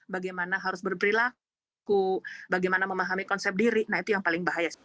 bagaimana harus berperilaku bagaimana memahami konsep diri nah itu yang paling bahaya